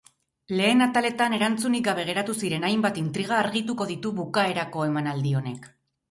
Lehen ataletan erantzunik gabe geratu ziren hainbat intriga argituko ditu bukaerako emanaldi honek.